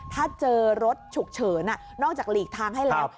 ถ้าเจอรถฉุกเฉินนอกจากหลีกทางให้แล้ว